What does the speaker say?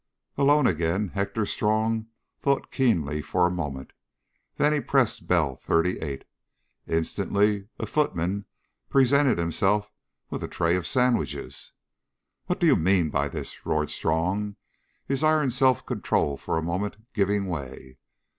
Alone again, Hector Strong thought keenly for a moment. Then he pressed bell "38." Instantly a footman presented himself with a tray of sandwiches. "What do you mean by this?" roared Strong, his iron self control for a moment giving way.